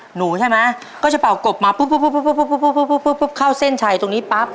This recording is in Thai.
หนูใช่ไหมก็จะเป่ากบมาปุ๊บปุ๊บปุ๊บเข้าเส้นชัยตรงนี้ปั๊บ